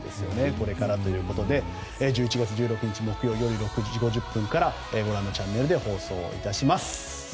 これからということで１１月１６日、木曜夜６時５０分からご覧のチャンネルで放送いたします。